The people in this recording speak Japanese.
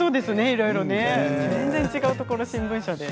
いろいろね、全然違うところ、新聞社で。